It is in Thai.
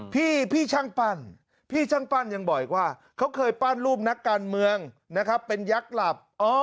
พี่ช่างปั้นพี่ช่างปั้นยังบอกอีกว่าเขาเคยปั้นรูปนักการเมืองนะครับเป็นยักษ์หลับ